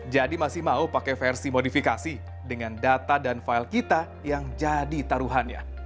jadi masih mau pakai versi modifikasi dengan data dan file kita yang jadi taruhannya